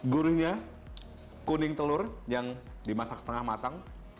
gurihnya kuning telur yang dimasak setengah matang